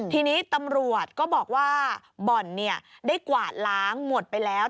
ทีนี้ตำรวจก็บอกว่าบ่อนได้กวาดล้างหมดไปแล้ว